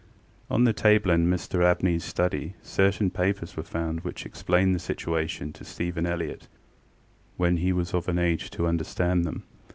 On the table in Mr AbneyŌĆÖs study certain papers were found which explained the situation to Stephen Elliott when he was of an age to understand them.